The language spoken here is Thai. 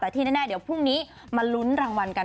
แต่ที่แน่เดี๋ยวพรุ่งนี้มาลุ้นรางวัลกัน